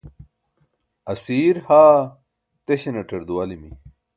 asiir haa teśanaṭar duwalimi